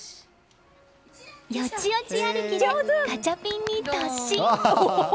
よちよち歩きでガチャピンに突進。